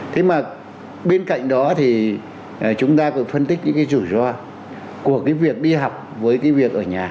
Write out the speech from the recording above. thế mà bên cạnh đó thì chúng ta cũng phân tích những cái rủi ro của cái việc đi học với cái việc ở nhà